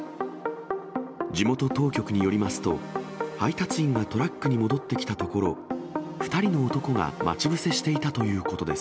地元当局によりますと、配達員がトラックに戻ってきたところ、２人の男が待ち伏せしていたということです。